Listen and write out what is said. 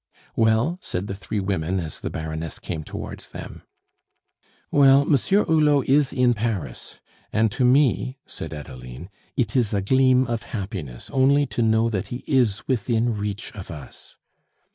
"Well?" said the three women as the Baroness came towards them. "Well, Monsieur Hulot is in Paris; and to me," said Adeline, "it is a gleam of happiness only to know that he is within reach of us."